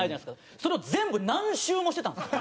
それを全部何周もしてたんですよ。